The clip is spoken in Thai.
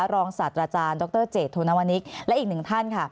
รองศาสตราจารย์ดรเจษโธนวนิกและอีกหนึ่งท่านค่ะ